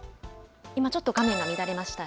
今ちょっと画面が乱れました。